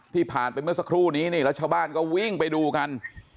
ผ่านไปเมื่อสักครู่นี้นี่แล้วชาวบ้านก็วิ่งไปดูกัน